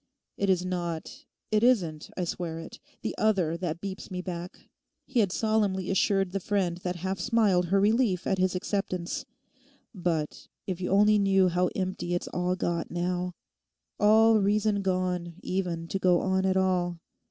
'It is not—it isn't, I swear it—the other that keeps me back,' he had solemnly assured the friend that half smiled her relief at his acceptance, 'but—if you only knew how empty it's all got now; all reason gone even to go on at all.